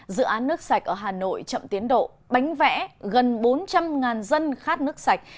dự án nước sạch ở hà nội chậm tiến độ bánh vẽ gần bốn trăm linh dân khát nước sạch